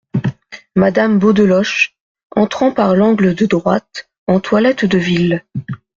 Madame Beaudeloche , entrant par l’angle de droite en toilette de ville.